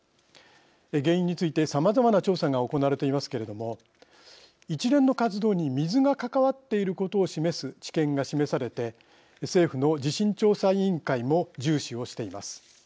原因についてさまざまな調査が行われていますけれども一連の活動に水が関わっていることを示す知見が示されて政府の地震調査委員会も重視をしています。